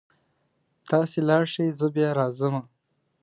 تاسې لاړ شئ زه بیا راځمه